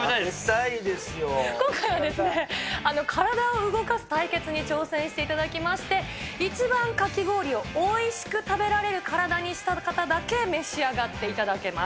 今回はですね、体を動かす対決に挑戦していただきまして、一番かき氷をおいしく食べられる体にした方だけ召し上がっていただけます。